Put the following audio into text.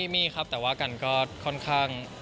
มีครับแต่ว่ากันก็ค่อนข้าง